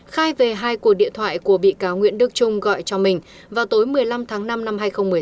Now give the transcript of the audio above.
khai về hai cuộc điện thoại của bị cáo nguyễn đức trung gọi cho mình vào tối một mươi năm tháng năm năm hai nghìn một mươi sáu